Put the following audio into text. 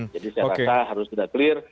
jadi saya rasa harus sudah clear